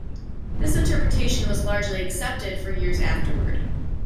This interpretation was largely accepted for years afterward.